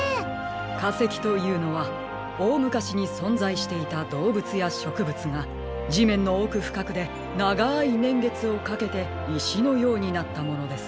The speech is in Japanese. かせきというのはおおむかしにそんざいしていたどうぶつやしょくぶつがじめんのおくふかくでながいねんげつをかけていしのようになったものです。